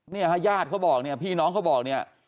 เนี่ยฮะญาติเขาบอกเนี่ยพี่น้องเขาบอกเนี่ย